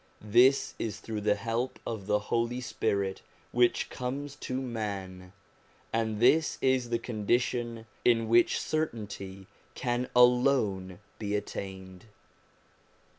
This is through the help of the Holy Spirit which comes to man, and this is the condition in which certainty can alone be attained.